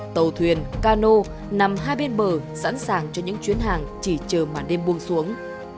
tàu thuyền cano nằm hai bên bờ sẵn sàng cho những chuyến hàng chỉ chờ màn đêm buông xuống